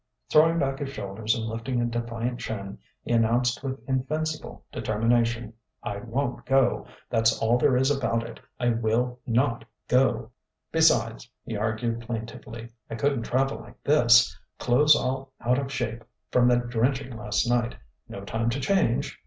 Throwing back his shoulders and lifting a defiant chin, he announced with invincible determination: "I won't go. That's all there is about it. I will not go!... "Besides," he argued plaintively, "I couldn't travel like this clothes all out of shape from that drenching last night no time to change